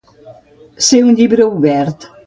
Ser un llibre obert.